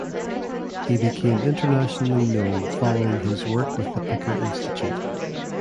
He became internationally known following his work with the Picker Institute.